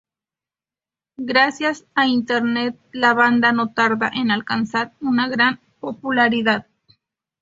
Gracias a Internet, la banda no tarda en alcanzar una gran popularidad.